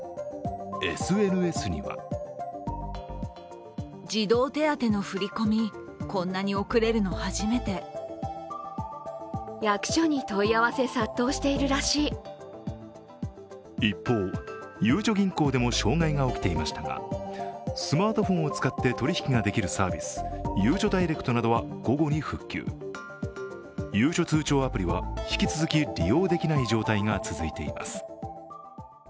ＳＮＳには一方、ゆうちょ銀行でも障害を受けていましたがスマートフォンを使って取り引きができるサービス、ゆうちょダイレクトなどは午後に復旧、ゆうちょ通帳アプリは引き続き利用できない状態が続いています。